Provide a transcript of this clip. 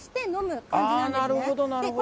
なるほどなるほど。